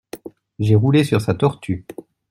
J'ai roulé sur sa tortue.